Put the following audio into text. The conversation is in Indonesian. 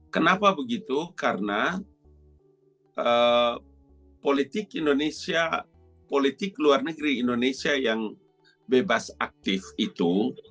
kenapa begitu karena politik indonesia politik luar negeri indonesia yang bebas aktif itu